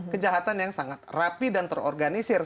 kejahatan yang sangat rapi dan terorganisir